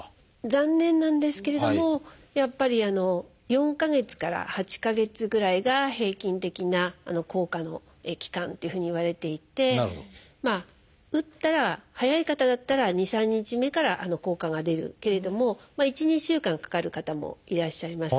残念なんですけれどもやっぱり４か月から８か月ぐらいが平均的な効果の期間というふうにいわれていてまあ打ったら早い方だったら２３日目から効果が出るけれども１２週間かかる方もいらっしゃいます。